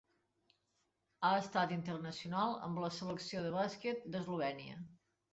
Ha estat internacional amb la Selecció de bàsquet d'Eslovènia.